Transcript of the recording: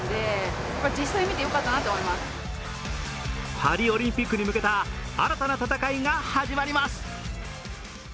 パリオリンピックに向けた新たな戦いが始まります。